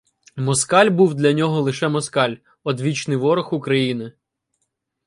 Москаль був для нього лише москаль — одвічний ворог України.